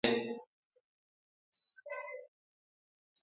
Bende, inyalo tiyo gi yore mag tudruok e